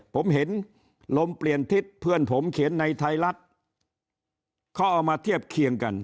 ผมเห็นลมเปลี่ยนทิศเพื่อนผมเขียนในไทยรัฐเขาเอามาเทียบเคียงกัน